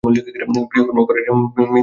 গৃহধর্ম করাটা তো মেয়ে মানুষের দরকার।